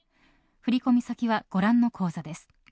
振込先はご覧の口座です。